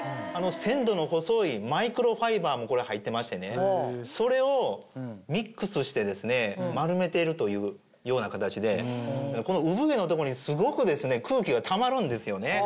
繊度の細いマイクロファイバーも入ってましてそれをミックスして丸めてるというような形でこの産毛のとこにすごく空気がたまるんですよね。